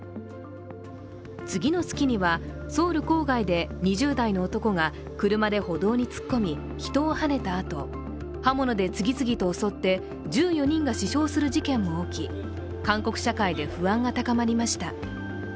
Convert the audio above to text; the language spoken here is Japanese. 次の月には、ソウル郊外で２０代の男が車で歩道に突っ込み人をはねたあと、刃物で次々と襲って１４人が死傷する事件も起き韓国社会で不安が高まりました。